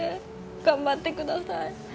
頑張ってください。